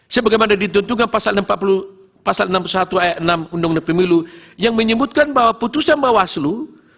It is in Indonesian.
sebagaimana ditentukan pasal enam puluh satu ayat enam undang undang pemilu yang menyebutkan bahwa putusan bawaslu